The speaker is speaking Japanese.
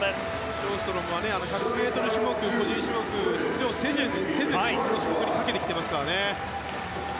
ショーストロムは１００ｍの個人種目に出場せずにこの種目にかけてきています。